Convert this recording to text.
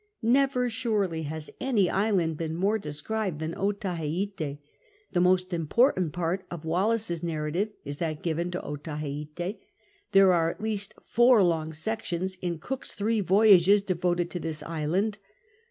Never, surely, has any island been more described than Otaheite. The most important ^^art of Wallis's narrative is that given to Otalicite. There are at least four long sections in Cook's three voyages de voted to this island.